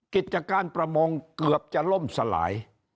กิจการประมงเกือบจะล่มสลาย